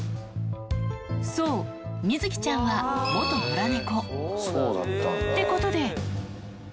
そう、みづきちゃんは元野良猫。ってことで。